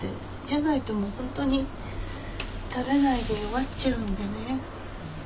じゃないともう本当に食べないで弱っちゃうんでね。